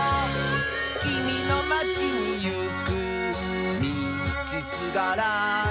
「きみのまちにいくみちすがら」